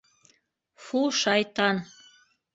Фу, шайтан!..